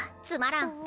つまらん。